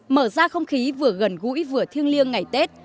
mở ra không khí vừa gần gũi vừa thiêng liêng ngày tết